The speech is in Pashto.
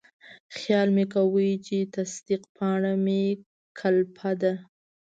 خیال مې کاوه چې تصدیق پاڼه مې کلپه ده.